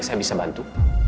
dia pernah menolak kamu